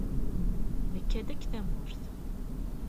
Nekka-d akk tamurt.